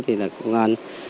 thì công an